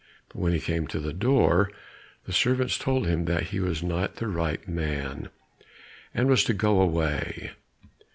But when he came to the door, the servants told him that he was not the right man, and was to go away again.